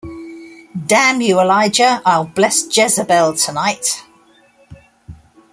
Damn you, Elijah, I'll bless Jezebel tonight.